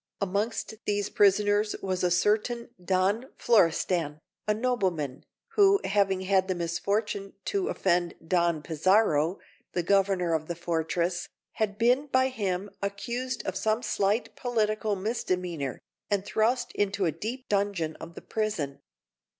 Amongst these prisoners was a certain Don Florestan, a nobleman, who, having had the misfortune to offend Don Pizarro, the governor of the fortress, had been by him accused of some slight political misdemeanour, and thrust into a deep dungeon of the prison.